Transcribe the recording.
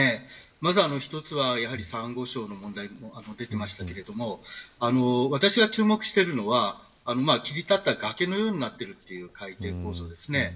まず一つはサンゴ礁の問題出ていましたけれど私が注目しているのは切り立った崖のようになっているという海底の場所です。